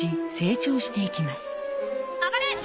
上がれ！